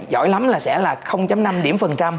giỏi lắm là sẽ là năm điểm phần trăm